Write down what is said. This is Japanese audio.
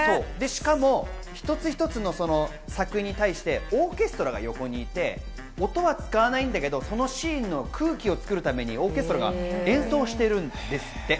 一つ一つの作品に対して、オーケストラが横にいて、音は使わないんだけど、そのシーンの空気を作るためにオーケストラが演奏してるんですって。